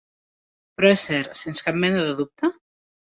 Però és cert, sens cap mena de dubte?